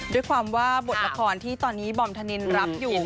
ด้วยความว่าบทละครที่ตอนนี้บอมธนินรับอยู่